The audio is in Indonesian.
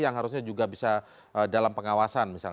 yang harusnya juga bisa dalam pengawasan misalnya